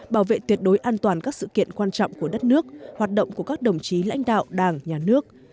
bảo vệ tuyệt đối an toàn các sự kiện quan trọng của đất nước hoạt động của các đồng chí lãnh đạo đảng nhà nước